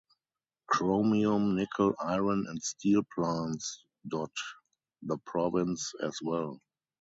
Chromium, nickel, iron and steel plants dot the province as well.